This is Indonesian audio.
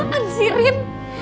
you apaan sih rin